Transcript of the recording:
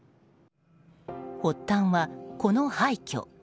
発端は、この廃虚。